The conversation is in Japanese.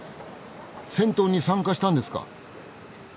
戦闘に参加したんですか！？